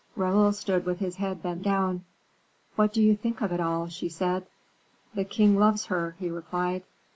Raoul stood with his head bent down. "What do you think of it all?" she said. "The king loves her," he replied.